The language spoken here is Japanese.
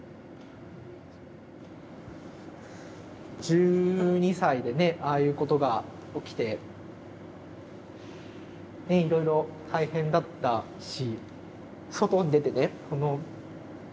１２歳でねああいうことが起きていろいろ大変だったし。